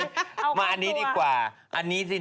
โอเคโอ้โหดีทั้งเลย